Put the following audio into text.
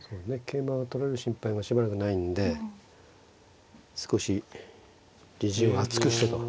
桂馬は取られる心配はしばらくないんで少し自陣を厚くしてと。